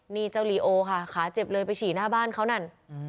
นี่เจ้าลีโอค่ะขาเจ็บเลยไปฉี่หน้าบ้านเขานั่น